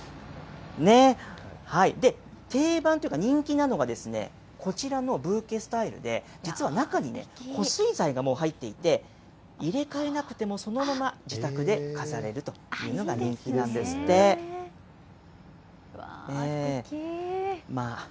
ねぇ、定番というか、人気なのが、こちらのブーケスタイルで、実は中に保水材が入っていまして、入れ替えなくてもそのまま自宅で飾れるというのが人気なんですっすてき。